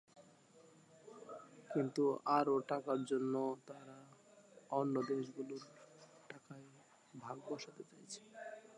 কিন্তু আরও টাকার জন্য তারা অন্য দেশগুলোর টাকায় ভাগ বসাতে চাইছে।